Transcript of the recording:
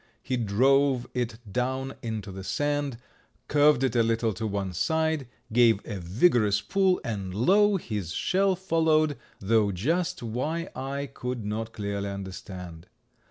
He drove it down into the sand, curved it a little to one side, gave a vigorous pull, and lo! his shell followed, though just why I could not clearly understand.